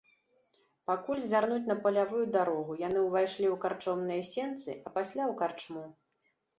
Пакуль звярнуць на палявую дарогу, яны ўвайшлі ў карчомныя сенцы, а пасля ў карчму.